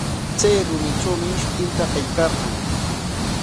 Chay rumitrawmi shutinta qillqarqan.